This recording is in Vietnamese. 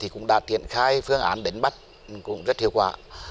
cũng đã tiện khai phương án đỉnh bắt cũng rất hiệu quả